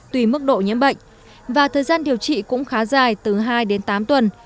tùy mức độ nhiễm bệnh và thời gian điều trị cũng khá dài từ hai đến tám tuần